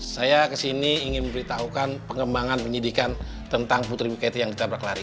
saya kesini ingin memberitahukan pengembangan penyidikan tentang putri miketi yang ditabrak lari